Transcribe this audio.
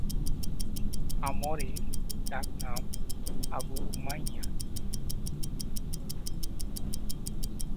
আমর এর ডাক নাম আবু উমাইয়া, পিতার নাম উমাইয়া।